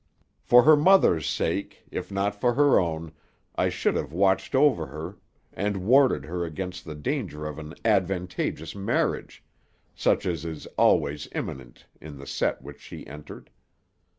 For her mother's sake, if not for her own, I should have watched over her, and warded her against the danger of an 'advantageous' marriage, such as is always imminent in the set which she entered.